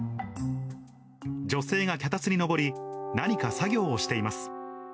女性が脚立に上り、なにか作業をしています。